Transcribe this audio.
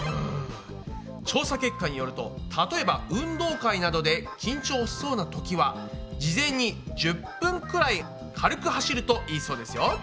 調査結果によると例えば運動会などで緊張しそうなときは事前に１０分くらい軽く走るといいそうですよ。